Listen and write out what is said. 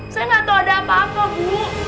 saya gak tau ada apa apa bu